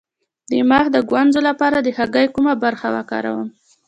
د مخ د ګونځو لپاره د هګۍ کومه برخه وکاروم؟